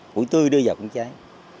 mũi tươi đưa vào cũng cháy